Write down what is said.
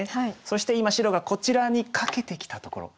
そして今白がこちらにカケてきたところ。